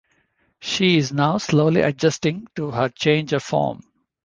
She is now slowly adjusting to her change of form.